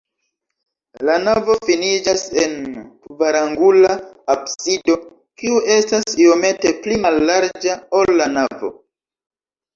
La navo finiĝas en kvarangula absido, kiu estas iomete pli mallarĝa, ol la navo.